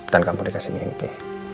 dan kamu dikasih mimpi